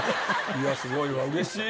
いやすごいわうれしい！